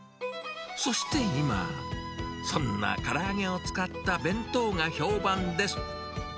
そして今、そんなから揚げを使った弁当が評判です。